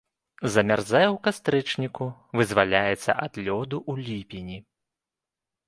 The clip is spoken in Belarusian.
Замярзае ў кастрычніку, вызваляецца ад лёду ў ліпені.